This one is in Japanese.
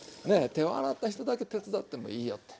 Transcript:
手を洗った人だけ手伝ってもいいよって。